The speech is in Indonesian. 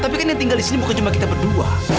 tapi kan yang tinggal disini bukan cuma kita berdua